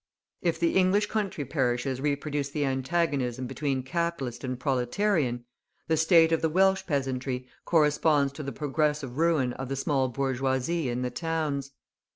If the English country parishes reproduce the antagonism between capitalist and proletarian, the state of the Welsh peasantry corresponds to the progressive ruin of the small bourgeoisie in the towns.